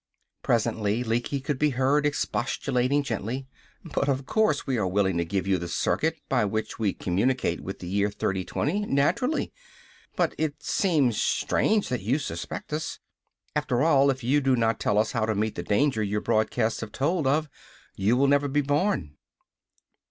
Presently Lecky could be heard expostulating gently: "But of course we are willing to give you the circuit by which we communicate with the year 3020! Naturally! But it seems strange that you suspect us! After all, if you do not tell us how to meet the danger your broadcasts have told of, you will never be born!"